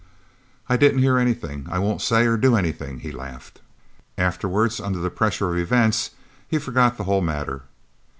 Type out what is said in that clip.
"I didn't hear anything; I won't say or do anything," he laughed. Afterwards, under the pressure of events, he forgot the whole matter.